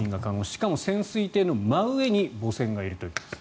しかも潜水艇の真上に母船がいるということです。